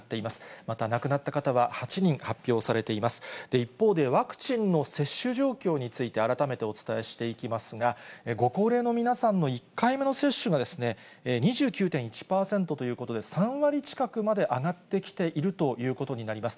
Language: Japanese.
一方で、ワクチンの接種状況について改めてお伝えしていきますが、ご高齢の皆さんの１回目の接種が２９．１％ということで、３割近くまで上がってきているということになります。